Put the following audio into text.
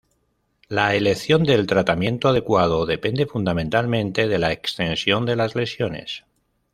La elección del tratamiento adecuado depende fundamentalmente de la extensión de las lesiones.